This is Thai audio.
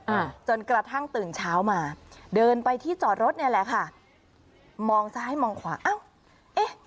อ่าจนกระทั่งตื่นเช้ามาเดินไปที่จอดรถเนี้ยแหละค่ะมองซ้ายมองขวาอ้าวเอ๊ะ